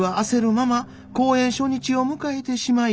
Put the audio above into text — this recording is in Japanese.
まま公演初日を迎えてしまい。